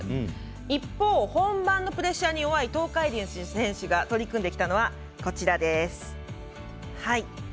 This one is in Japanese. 一方、本番のプレッシャーに弱い東海林選手が取り組んできたのはこちらです。